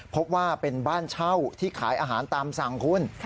พบว่าเป็นบ้านเช่าที่ขายอาหารตามสั่งคุณ